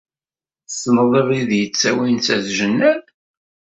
Tessneḍ abrid yettawin s at Jennad?